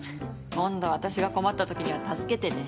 今度私が困った時には助けてね。